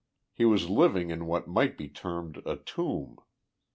He was living in what might be termed a tomb